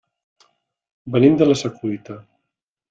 Venim de la Secuita.